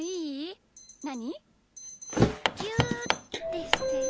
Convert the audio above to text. ぎゅうってして！